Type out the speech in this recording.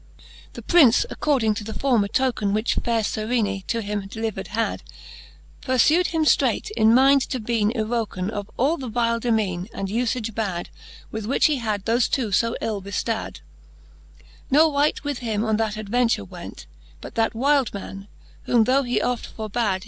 The Prince, according to the former token, , Which faire Serene to him deHvered had, Purfu'd him ftreight, in mynd to bene ywroken Of all the vile demeane, and ufage bad. With which he had thofe two fo ill beftad : Ne wight with him on that adventure went, But that wylde man, whom though he oft forbad.